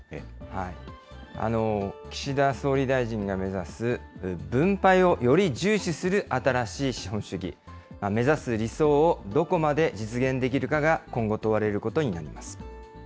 岸田総理大臣が目指す、分配をより重視する新しい資本主義、目指す理想をどこまで実現できるかが今後、問われることになります。